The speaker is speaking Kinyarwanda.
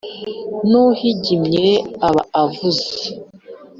N’uhigimye aba avuze